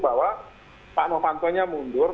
bahwa pak novanto nya mundur